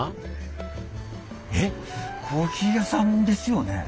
えっコーヒー屋さんですよね？